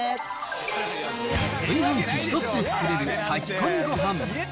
炊飯器一つで作れる炊き込みご飯。